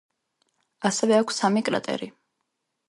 ასევე აქვს სამი კრატერი.